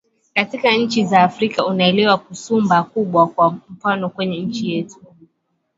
katika nchi za afrika unaelewa kasumba kubwa kwa mfano kwenye nchi yetu